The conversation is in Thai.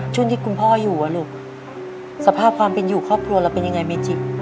ช่วงที่คุณพ่ออยู่อ่ะลูกสภาพความเป็นอยู่ครอบครัวเราเป็นยังไงเมจิ